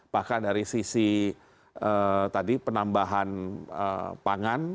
bahkan dari sisi tadi penambahan pangan